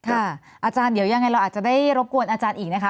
อาจารย์เดี๋ยวยังไงเราอาจจะได้รบกวนอาจารย์อีกนะคะ